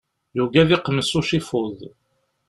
Yugi ad iqmec ucifuḍ.